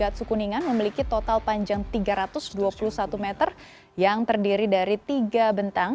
gatsu kuningan memiliki total panjang tiga ratus dua puluh satu meter yang terdiri dari tiga bentang